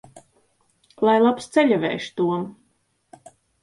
Lai labs ceļavējš, Tom!